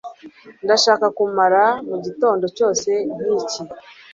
ndashaka kumara mugitondo cyose nkiki